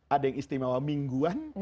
ada yang istimewa mingguan